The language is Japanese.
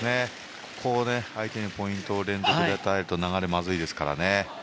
ここで相手にポイントを連続で与えると流れがまずいですからね。